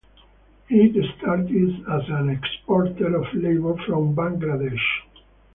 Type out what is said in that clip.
It started as an exporter of labour from Bangladesh.